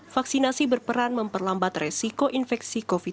vaksinasi berperan memperlambat resiko infeksi covid sembilan belas